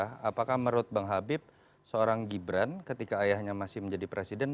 karena menurut bang habib seorang gibran ketika ayahnya masih menjadi presiden